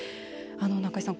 中井さん